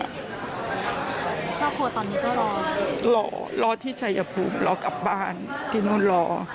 ครอบครัวตอนนี้ก็รอรอที่ชัยภูมิรอกลับบ้านที่นู่นรอ